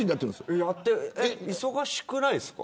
忙しくないですか。